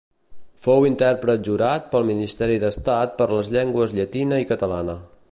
Fou intèrpret jurat pel ministeri d'Estat per les llengües llatina i catalana.